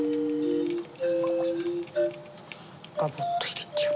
ガボッと入れちゃう。